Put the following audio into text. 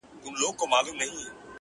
زه څوک لرمه!